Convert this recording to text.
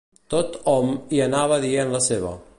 Tot-hom hi anava dient la seva